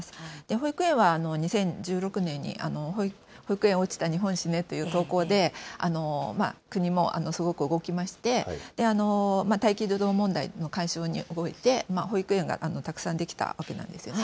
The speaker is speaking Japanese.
保育園は２０１６年に、保育園落ちた日本死ねという投稿で、国もすごく動きまして、待機児童問題の解消に動いて、保育園がたくさん出来たわけなんですよね。